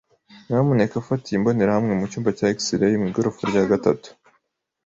Nyamuneka fata iyi mbonerahamwe mucyumba cya X-ray mu igorofa rya gatatu.